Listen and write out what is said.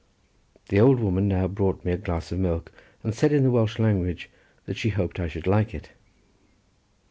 The old woman now brought me a glass of milk, and said in the Welsh language that she hoped that I should like it.